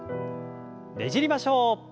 ねじりましょう。